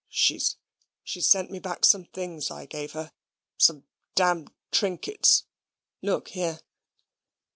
"She she's sent me back some things I gave her some damned trinkets. Look here!"